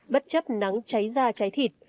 bất chấp nắng cháy da cháy thịt